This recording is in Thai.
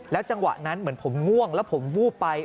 จังหวะนั้นเหมือนผมง่วงแล้วผมวูบไป